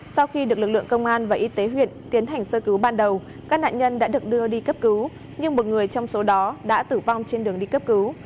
sau khi được lực lượng công an và y tế huyện tiến hành sơ cứu ban đầu các nạn nhân đã được đưa đi cấp cứu nhưng một người trong số đó đã tử vong trên đường đi cấp cứu